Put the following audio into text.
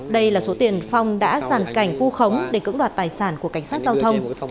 đây là số tiền phong đã giàn cảnh vu khống để cưỡng đoạt tài sản của cảnh sát giao thông